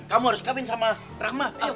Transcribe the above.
kamu harus kabin sama rahmat